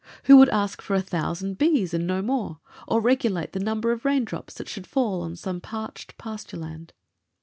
Who would ask for a thousand bees and no more, or regulate the number of rain drops that should fall on some parched pasture land?